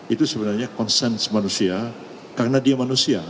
itu sebenarnya konsen manusia karena dia manusia